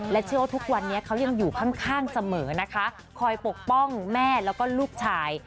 เชื่อว่าทุกวันนี้เขายังอยู่ข้างเสมอนะคะคอยปกป้องแม่แล้วก็ลูกชาย